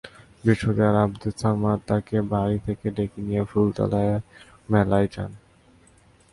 বৃহস্পতিবার আবদুস সামাদ তাঁকে বাড়ি থেকে ডেকে নিয়ে ফুলতলার মেলায় যান।